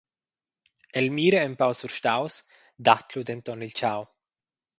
El mira empau surstaus, dat lu denton il tgau.